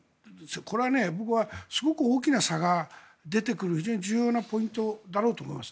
これは僕はすごく大きな差が出てくる非常に重要なポイントだろうと思います。